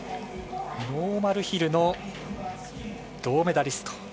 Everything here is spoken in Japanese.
ノーマルヒルの銅メダリスト。